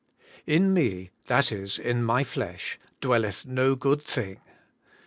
*In me, that is, in my flesh, dwelleth no good thing.'